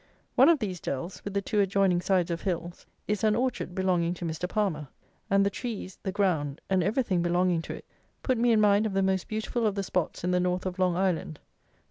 One of these dells with the two adjoining sides of hills is an orchard belonging to Mr. PALMER, and the trees, the ground, and everything belonging to it, put me in mind of the most beautiful of the spots in the North of Long Island.